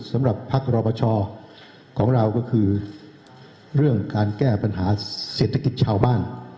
สำหรับพักรอปชของเราก็คือเรื่องการแก้ปัญหาเศรษฐกิจชาวบ้าน